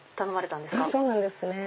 そうなんですね。